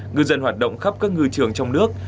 ngư dân hoạt động khắp các ngư trường trong nước